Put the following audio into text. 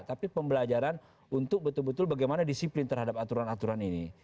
tapi pembelajaran untuk betul betul bagaimana disiplin terhadap aturan aturan ini